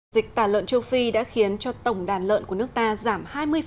dịch tả lợn châu phi đã khiến cho tổng đàn lợn của nước ta giảm hai mươi